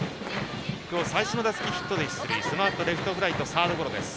今日最初の打席ヒットで出塁そのあとレフトフライとサードゴロです。